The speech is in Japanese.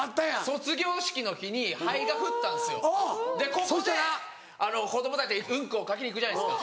ここで子供たちはウンコを描きに行くじゃないですか。